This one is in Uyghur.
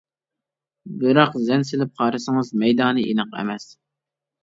بىراق زەن سېلىپ قارىسىڭىز مەيدانى ئېنىق ئەمەس.